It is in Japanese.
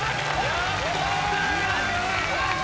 やったー！